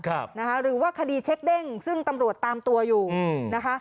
หรือว่าคดีเช็คเด้งซึ่งตำรวจตามตัวอยู่อืมนะคะ